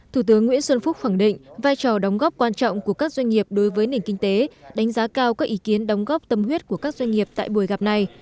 thủ tướng nguyễn xuân phúc khẳng định vai trò đóng góp quan trọng của các doanh nghiệp đối với nền kinh tế đánh giá cao các ý kiến đóng góp tâm huyết của các doanh nghiệp tại buổi gặp này